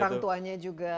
orang tuanya juga